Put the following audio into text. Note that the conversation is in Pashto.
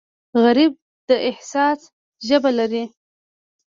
غریب د احساس ژبه لري